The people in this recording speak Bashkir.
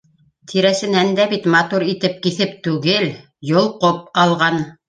Тирәсенән дә бит матур итеп киҫеп түгел, йолҡоп алған...